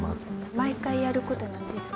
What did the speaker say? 毎回やることなんですか？